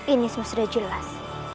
ini sudah jelas